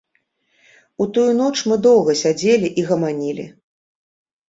У тую ноч мы доўга сядзелі і гаманілі.